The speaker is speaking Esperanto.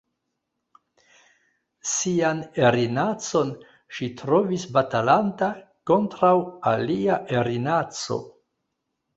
Sian erinacon ŝi trovis batalanta kontraŭ alia erinaco.